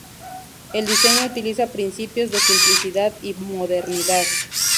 El diseño utiliza principios de simplicidad y modernidad.